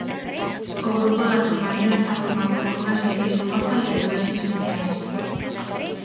O grupo da turmalina está formado por unha serie isomorfa de diversos minerais.